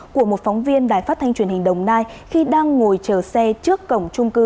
của một phóng viên đài phát thanh truyền hình đồng nai khi đang ngồi chờ xe trước cổng trung cư